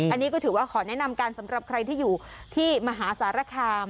อันนี้ก็ถือว่าขอแนะนำกันสำหรับใครที่อยู่ที่มหาสารคาม